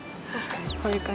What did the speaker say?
こういう感じ。